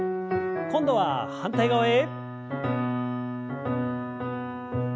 今度は反対側へ。